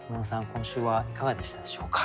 今週はいかがでしたでしょうか。